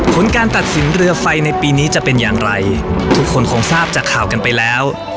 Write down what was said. ผลการตัดสินเรือไฟในปีนี้จะเป็นอย่างไรทุกคนคงทราบจากข่าวกันไปแล้ว